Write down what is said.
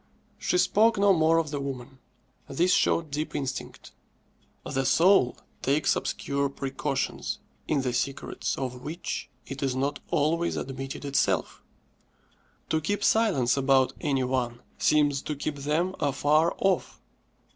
_" She spoke no more of the "woman." This showed deep instinct. The soul takes obscure precautions, in the secrets of which it is not always admitted itself. To keep silence about any one seems to keep them afar off.